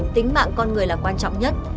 tính mạng con người là quan trọng nhất